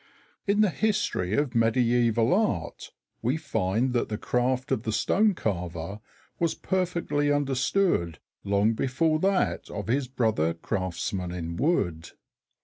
In the history of Mediæval Art we find that the craft of the stone carver was perfectly understood long before that of his brother craftsman in wood.